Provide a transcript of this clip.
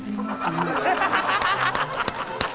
ハハハハ！